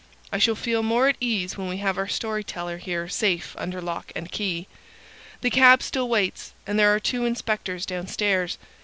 I shall feel more at ease when we have our story teller here safe under lock and key. The cab still waits, and there are two inspectors downstairs.